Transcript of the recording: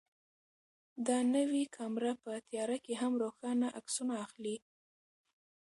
دا نوې کامره په تیاره کې هم روښانه عکسونه اخلي.